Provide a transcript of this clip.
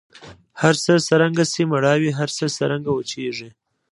هرڅه څرنګه سي مړاوي هر څه څرنګه وچیږي